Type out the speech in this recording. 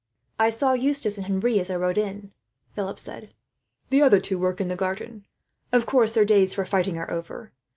"I saw Eustace and Henri, as I rode in," Philip said. "The other two work in the garden. Of course, their days for fighting are over.